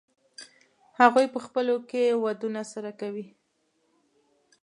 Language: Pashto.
هغوی په خپلو کې ودونه سره کوي.